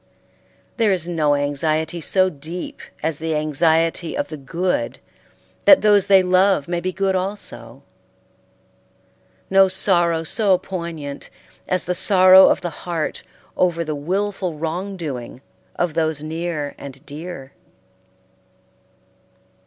There is no anxiety so deep as the anxiety of the good that those they love may be good also; no sorrow so poignant as the sorrow of the heart over the willful wrong doing of those near and dear.